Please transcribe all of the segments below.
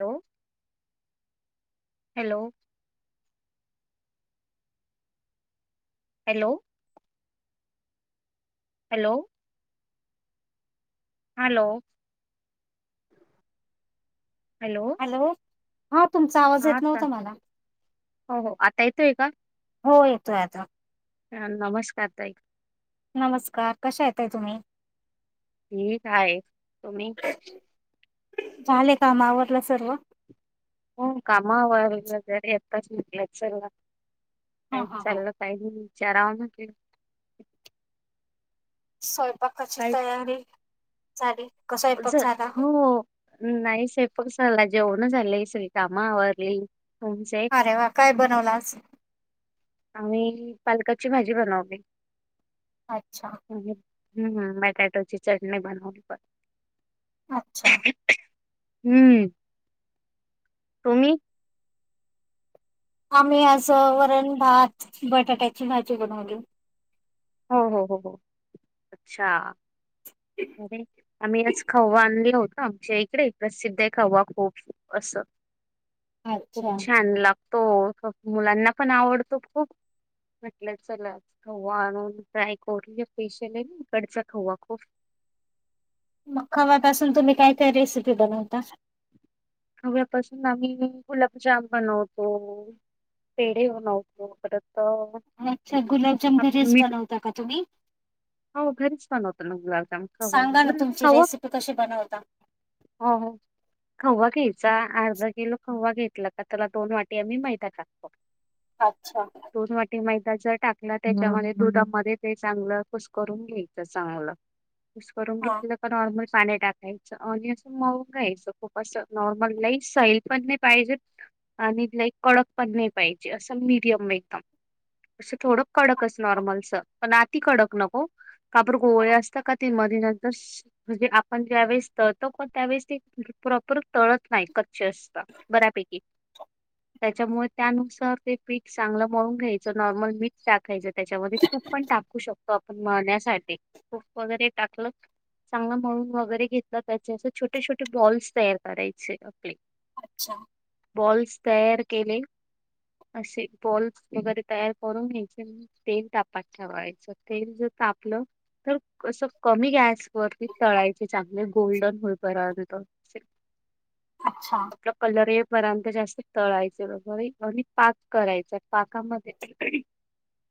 Hello hello! Hello! Hello! Hello! Hello! Hello! हा तुमचा आवाज हा येत आता नव्हता मला. हो हो आता येतोय का हो, येतोय आता. हा, नमस्कार! ताई. नमस्कार! कशा आहे ताई तुम्ही? ठीक आहे, तुम्ही? झाले काम आवरलं सर्व. हो काम आवरली [unintelligible] सर्व काय हा हा हा चालयं. काही विचाराव म्हटलं स्वयंपाकाची तयारी झाली. का? स्वयंपाक झ झाला हो नाही स्वयंपाक झाला, जेवणं झाली सगळी काम आवरली तुमचे? अरे वा! काय बनवला आज? आम्ही पालकाची भाजी बनवली. अच्छा! हम्म, बटाटो ची चटणी बनवली पण अच्छा! हम्म, तुम्ही? आम्ही असं वरण, भात, बटाट्याची भाजी बनवली. हो हो हो हो, अच्छा! अरे, आम्ही आज खवा आणले होते, आमच्या इकडे प्रसिद्ध आहे खवा खूप. असं खूप अच्छा छान लागतं. तो मुलांना पण आवडतो खूप म्हटलं चलाव आण ट्राय कर पेशियल आहे इकडचा हवा खूप मग खव्यापासून तुम्ही काय काय रेसिपी बनवता. खव्यापासून आम्ही गुलाबजाम बनवतो. पेढे बनवतो परत अच्छा गुलाबजाम आप- घरीच मीठ बनवता का तुम्ही हो घरीच पणव होत मगला सांगा ना तुमची रेसिपी कशी बनवता हो हो खऊ तचा अर्धा किलो खवा घेतला का त्याला दोन वाटी आम्ही मैदा टाकतो अच्छा दोन वाटी मैदा जर टाकला त्याच्यामध्ये दुधामध्ये ते चांगलं कुस करून घ्यायचं चांगलं यस करून हा घेतलं तर नॉर्मल पाणी टाकायचं आणि अस मऊ घ्यायचं खूप असं नॉर्मल लाईफ साईल पण नाही पाहिजे आणि लाई कडक पण नाही पाहिजे असं मीडियम एकदम असं थोडं कडकच नॉर्मलच पण आती कडक नको कापू गोळे असतात का ते मध न तर म्हणजे आपण ज्यावेेळेसतो कोण त्यावेेळेस ते प्रॉपर तळत नाही कच्चे असत बऱ्यापैकी त्याच्यामुळे त्यानुसार ते पीठ चांगलं मळून घ्यायचं नॉर्मल मीठ टाकायचं त्याच्यामध्ये तूप पण टाकू शकतो आपण मळण्यासाठीू वगैरे टाकलं चांगला म्हणून वगैरे घेतला त्याचे असे छोटे छोटे बॉल्स तयार करायचे आपले अच्छा बॉल्स तयार केले असे बॉल्स वगैरे तयार करून घ्यायचे म तेल तापात ठेवायचं तेल जर तापलं तर असं कमी गॅसवररती चळायचे चांगले गोल्डन होय बंतर अच्छा आप कलर ये पर्यंत जास्त तळायच बरोबर आणि पाक करायचा पाकामध्ये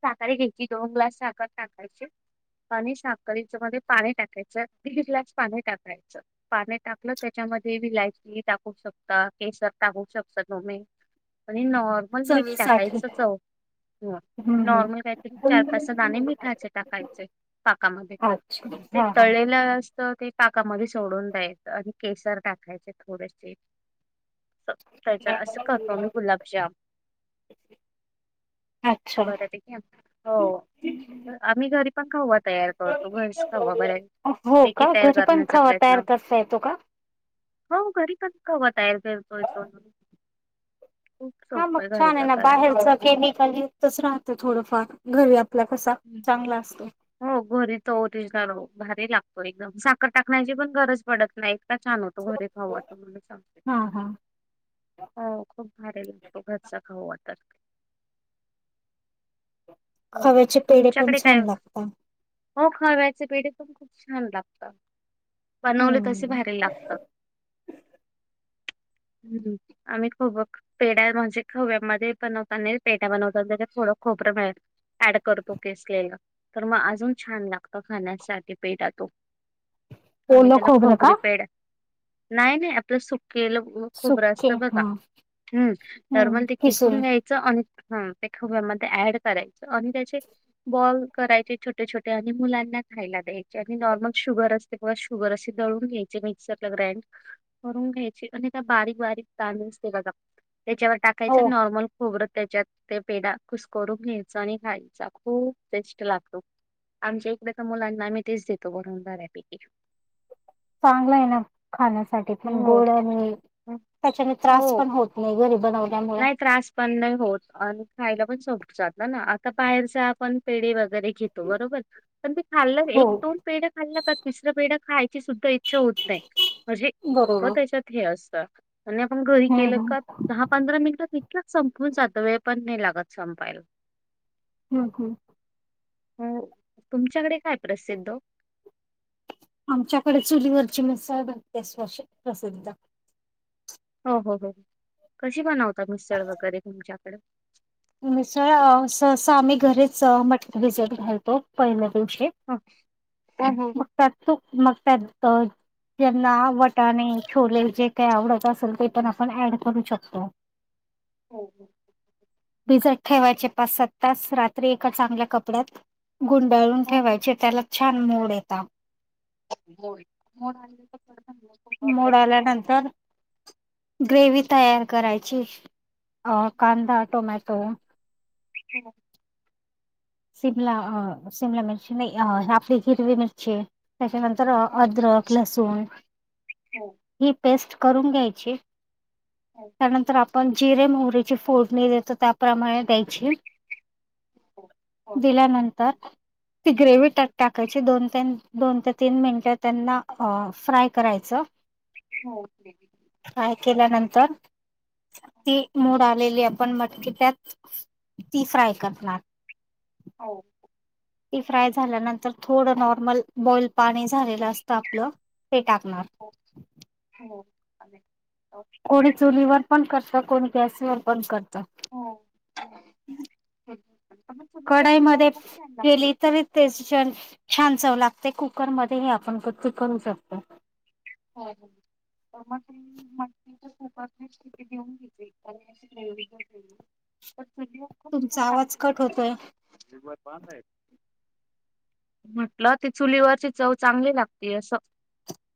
साखर घ्यायची दोन ग्लास साखर साकायची पाणी साफ करच्यामध्ये पाणी टाकायचं दीड ग्लास पाणी टाकायचं पाने टाकलं त्याच्यामध्ये विलायची टाकू शकता केसर टाकू शकता नोमे म्हण नॉ मग मीठ चवीसाठी टाकाईच चव ह हं, हं. नॉर्मल कायत चार पाचचा दाणे मिठाचे टाकायचे पाकामध्ये अच्छा ते हा हा तळेला ते पाकामध्ये सोडून द्यायचं आणि केसर टाकायचे थोडेसे त्याच्या असं करतो मी गुलाक्षा अच्छा हो आम्ही घरी पण खाऊत तयार करतो भैस खावा बर पैकीी तयार करण्याचा प्रयत्न क येतो का हो घरी कधकाव तयर फ तोय हा मग छान आहे ना बाहेरच केमिकल यच राहतं थोडंफार घर आपला कसा चांगला असतो हो घरी त तिलो भारी लागतो एकदम साखर टाकण्याची पण गरज पडत नाही छानतो घरी खावा तर मला सांगते हा हा हो खूप भारी लागतो घरचा खाऊ वा तर हो खव्याचे पेढ पण तुमच्याकडे काय छान लागतात हो खा व्याचे पेढ पण खूप छान लागत बनवले तसे हम्म भरयला लागत आम्ही खूघ पेड्या म्हणजे खव्यामध्ये बनवताना पेट्या बनवता थोडं खोबरं मिळल ऍड करतो केस केला तर मग अजून छान लागत खाण्यासाठी पेठ तो आम्ही ओलं त्याला खोबरं खोबरी का? पेड नाही नाही आपलं सुकेलं खूप सुके रस्त बघा हा हम्म नॉर्मल ते किसून घ्याय आणि ते खूपमध्ये ऍड करायचं आणि त्याचे बॉल करायचे छोटे छोटे आणि मुलांना खायला द्यायचे आणि नॉर्मल शुगर अस तेा शुगर असशी दळून घ्यायचे मिक्सरला ग्राइंड करून घ्यायचे अ का बारीक बारीक तांदू असते का त्याच्यावर टाक हो काहीच नॉर्मल खोबरत त्याच्यात ते पेडा कुसखोरून घ आणि खाळीचा खूप बेस्ट लागतो आमच्या एकदा तर मुलांना आमही तेच देतो बनवून बऱ्यापैकी चांगलं आहे ना खाण्यासाठी पण हो गोड आणि त्याच्या त्रास पण होत नाही घरी बनव नाहीयत रा पण नाही होत आणि खायला पण सोप जात ना ना आता बाहेरच्या आपण पेढ वगैरे घेतो बरोबर पण ते खाल्ल हो एक दोन पेढ्या खाल्ल का तिसर्या पेढ्या खायची सुद्धा इच्छा होत नाही म्हणजे इतकं बरोबर त्याच्यात हे असतं त्यांनी आपण घरी हम्म केलं हम्म का दहा पंधरा मिनिटात ततकच संपून जातं वेळ पण नाही लागत संपायला हम हम हो तुमच्याकडे काय प्रसिद्ध आमच्याकडे चुलीवरची मिसळ बघते स् प्रसिद्ध हो हो हो कशी बनवता मिसळ वगैरे तुमच्याकडे मिसळ ससं आम्ही घरीच मट विजिट घालतो पहिल्या दिवशी हा ह ह ह त्यातू मग त्यात त्यांना वटाणे छोले जे काही आवडत असेल ते पण आपण ऍड करू शकतो हो हो भिजत ठेवायचे पाच सात तास रात्री एका चांगल्या कपड्यात गुंडाळून हो, हो. ठेवायचे त्याला छान मोड येतात हो मूड आला नंतर ग्रेवी तयार करायची कांदा टोमॅटो ह शिमला अ शिमला मिर्ची नाही अ हली हिरवी मिर्ची त्याच्यानंतर अद्रक लसूण हो ही पेस्ट करून घ्यायची हो त्यानंतर आपण जिरे मोहरीची फोडणी देतो त्याप्रमाणे द्यायची हो हो हो दिल्यानंतर ती ग्रेवी टाकायची दोन तीन दोन ते तीन मिनिटं त्यांना फ्राय करायचं हो काय केल्यानंतर ती मूड आलेली आपण मटकी त्यात ती फ्राय करणार हो ती फ्राय झाल्यानंतर थोडं नॉर्मल बॉइल पाणी झालेलं असतं आपलं ते टाकणार हो हो कोणी चुलीवर पण करत कोणी गॅसवर पण करत हो. मग चुलीवरची चव खूप छान लागते तेच तर छान चव लागते कुकरमध्ये ही आपण ते करू शकतो हो तर मग त मच्या तूपातनेच किती देऊन घेत आणि प्ररी तुमचा आवाज कट होतोय [inaudible] म्हटलं ती चुलीवरची चव चांगली लागती असं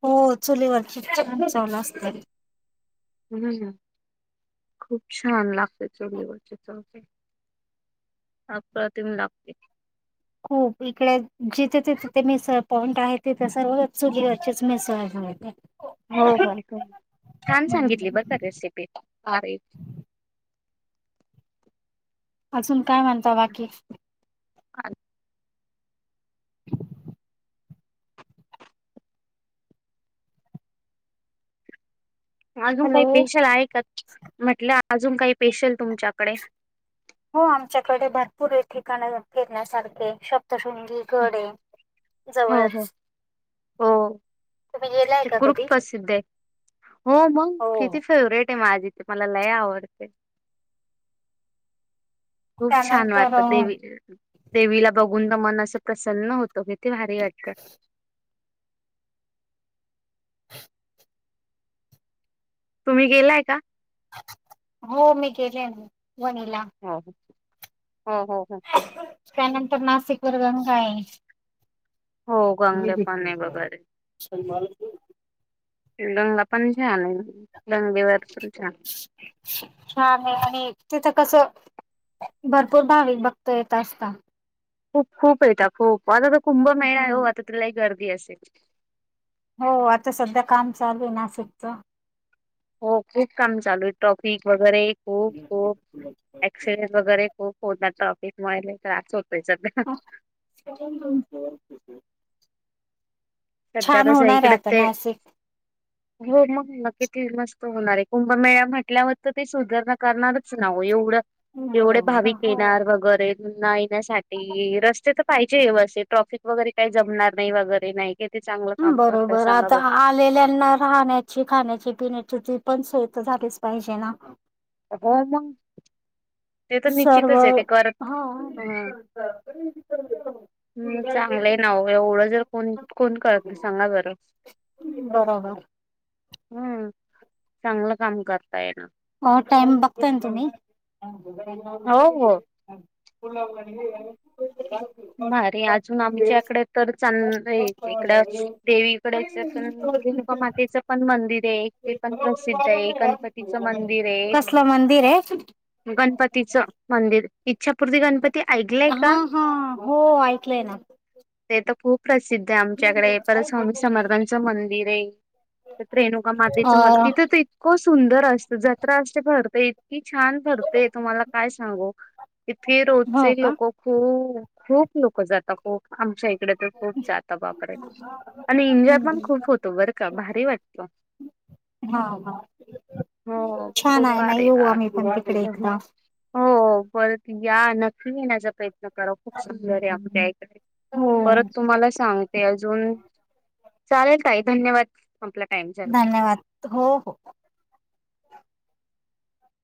हो चुलीवर छान चलं असत हम् खूप छान लागते चले गते च ह प्र तम लागते खूप इकडे जिथे तिथे ते मिसळ पॉइंट आहे तिथे सर्वच सुचेच मिसळ झा हो हो छान सांगितली बर का रेसिपी अजून काय म्हनतो बाकी अ अजून काही हॅलो स्पेशल आहे का म्हटलं अजून काही स्पेशल तुमच्याकडे हो आमच्याकडे भरपूर हे ठिकाण फिरण्यासारखे सप्तशृंगी घडे हो हो जवळच हो तुम्ही गेलाय ते का करुप कधी प्रसिद्ध आहे हो मग हो किती फेवरेट आहे माझी ते मला लय आवडते खूप छान वाटतं त्यानंतर देवी देवीला बघून ना मन असं प्रसन्न होतो किती भारी वाटत [inaudible] तुम्ही गेलाय का हो मी गेले वणीला ह हा हा ह त्यानंतर नाशिक वर गंगा आहे हो गंगे पाने वगैरे लंगा पण झान लंगेवर पण छान छान आहे आणि तिथं कस भरपूर भाविक भक्त येत असता खूप खूप येता खूप आता तर कुंभ मेळा ओ हम्म. आता तर लई गर्दी असेल हो आता सध्या काम चालू आहे नासिकच हो खूप काम चालू आहे ट्रॉफिक वगैरे ह अ‍ॅक्सिडेंट वगैरे खूप होतात ट्राफिकमुळे लई त्रास होतोय सध्या [inaudible] [unintelligible] सध्या छान कसय होणार आहे इकड आता ते नाशिक हो मग ना किती मस्त होणार आहे कुंभमेळा म्हटल्यावर तर ते सुधारणा करणारच ना हो एवढं एवढे बरोबर. भाविक येणार वगैरे न येण्यासाठी रस्ते तर पाहिजे ब असे ट्रॅफिक वगैरे काही जमणार नाही वगैरे नाही. कि चांगलं काम करताय सांगा बरं. लेल्यांना राहण्याची खाण्याची पिण्याची ती पण सोय तर झालीच पाहिजे ना. [inaudible] ते तर सर्व निश्चितच आहे ते करत हो [inaudible] हम! चांगलंय ना एवढं जर कोण कोण करत नाही सांगा बरं. बरोबर. हम्म! चांगलं काम करता ये ना. हो टाइम बघताय ना तुम्ही. हो हो [inaudible] भारी अजून आमच्याकडे तर चांलं इकड देवीकडच पण रेणुका मातेचं पण मंदिर आहे. ते पण प्रसिद्ध आहे गणपतीचं मंदिर आहे. कसलं मंदिर आहे? गणपतीचं मंदिर, इच्छापूर्ती गणपती ऐकलंय हा का? हा हो ऐकलंय ना. ते तर खूप प्रसिद्ध आहे आमच्याकडे परत स्वामी समर्थांचं मंदिर आहे. तर रेणुका मधेच मग अ तिथेच हो सुंदर असत जत्रा असते भरते इतकी छान भरतेय तुम्हाला काय सांगू इथे हो रोजचे का लोक खूप खूप लोक जातात खूप आमच्या इकडे तर खूप जाता बापरे आणि एन्जॉय हम्म पण हम्म खूप होतो बरं का भारी वाटत हा हा हो छान खूप आहे ना आारे येऊ आ आम्ही पण तिकडे एकदा हो परत या नक्की येण्याचा प्रयत्न करत खूप सुंदर आहे आपल्याकडे हो परत तुम्हाला सांग ते अजून चालेल ताई धन्यवाद. आपला टाइम झाला. धन्यवाद हो हो..